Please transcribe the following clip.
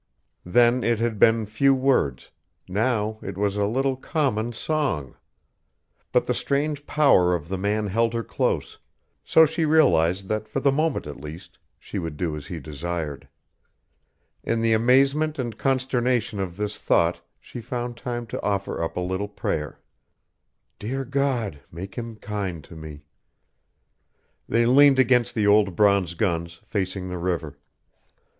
Then it had been few words, now it was a little common song. But the strange power of the man held her close, so she realized that for the moment at least she would do as he desired. In the amazement and consternation of this thought she found time to offer up a little prayer: "Dear God, make him kind to me." [Illustration: THE HALF BREED SEEKS TO AVENGE HER FATHER. Scene from the play.] They leaned against the old bronze guns, facing the river.